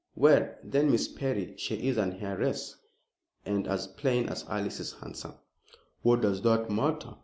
"Well, then, Miss Perry. She is an heiress." "And as plain as Alice is handsome." "What does that matter?